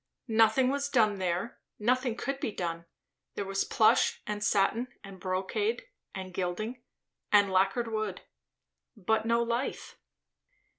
Nothing was done there, nothing could be done; there was plush and satin and brocade and gilding and lacquered wood; but no life.